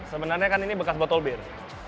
sebenarnya kan ini bekas botol bir